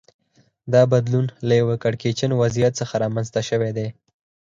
دا بدلون له یوه کړکېچن وضعیت څخه رامنځته شوی دی